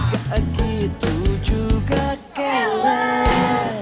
gak gitu juga kele